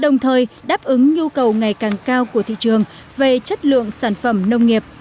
đồng thời đáp ứng nhu cầu ngày càng cao của thị trường về chất lượng sản phẩm nông nghiệp